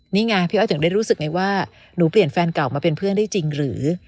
นี่ไงพี่อ้อยถึงได้รู้สึกไงว่าหนูเปลี่ยนแฟนเก่ามาเป็นเพื่อนได้จริงหรือ